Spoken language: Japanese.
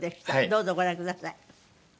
どうぞご覧ください。